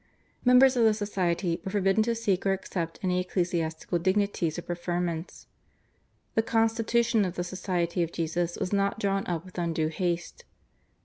Members of the society were forbidden to seek or accept any ecclesiastical dignities or preferments. The constitution of the Society of Jesus was not drawn up with undue haste.